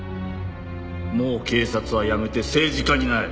もう警察は辞めて政治家になれ。